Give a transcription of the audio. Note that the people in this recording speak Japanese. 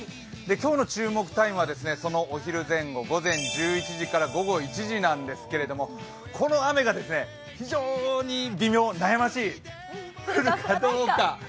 今日の注目タイムはそのお昼前後午前１１時から午後１時なんですけれども、この雨が非常に微妙悩ましい、降るかどうか。